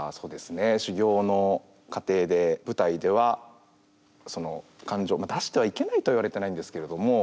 修行の過程で舞台ではその感情まあ出してはいけないとは言われてないんですけれども。